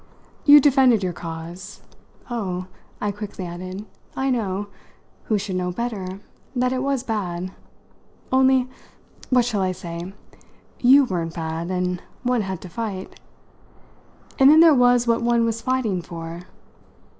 You defended your cause. Oh," I quickly added, "I know who should know better? that it was bad. Only what shall I say? you weren't bad, and one had to fight. And then there was what one was fighting for!